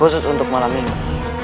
khusus untuk malam ini